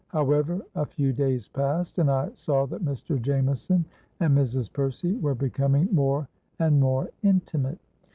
However, a few days passed; and I saw that Mr. Jameson and Mrs. Percy were becoming more and more intimate.